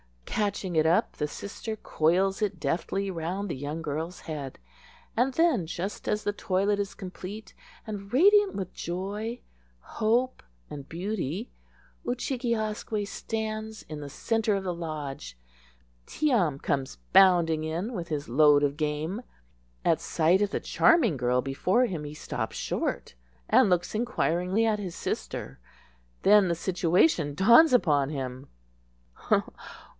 Catching it up, the sister coils it deftly round the young girl's head; and then, just as the toilet is complete, and radiant with joy, hope, and beauty Oo chig e asque stands in the centre of the lodge. Tee am comes bounding in with his load of game. At sight of the charming girl before him he stops short, and looks inquiringly at his sister. Then the situation dawns upon him.